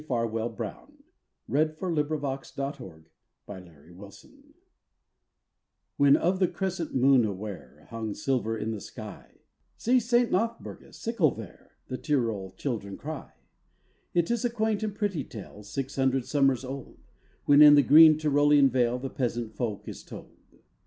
THE SICKLE MOON (Tyrolean Harvest Legend) ABBIE FARWELL BROWN When of the crescent moon aware Hung silver in the sky, "See, Saint Nothburga's sickle there!" The Tyrol children cry. It is a quaint and pretty tale Six hundred summers old, When in the green Tyrolean vale, The peasant folk is told.